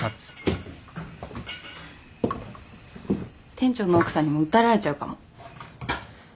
店長の奥さんにも訴えられちゃうかも。